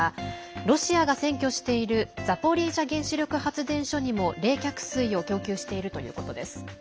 ロシアが占拠しているザポリージャ原子力発電所にも冷却水を供給しているということです。